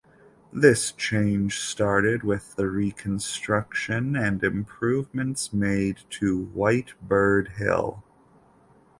This change started with the reconstruction and improvements made to White Bird Hill.